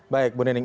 baik bu neneng